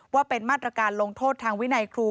ว่าเป็นมาตรการลงโทษทางวินัยครู